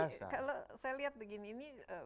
jadi kalau saya lihat begini